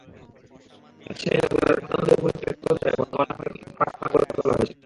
রাজশাহী নগরের পদ্মা নদীর পরিত্যক্ত ধারে বর্তমানে পরিকল্পিত পার্ক গড়ে তোলা হয়েছে।